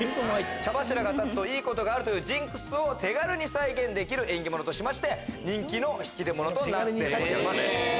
茶柱が立つといいことがあるというジンクスを手軽に再現できる縁起物として人気の引き出物となっております。